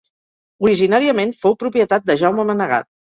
Originàriament fou propietat de Jaume Manegat.